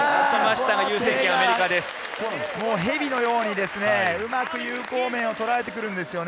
蛇のように、うまく有効面を捉えてくるんですよね。